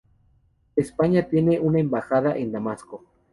España tiene una embajada en Damasco.